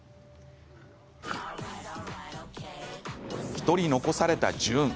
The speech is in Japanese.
１人、残されたジューン。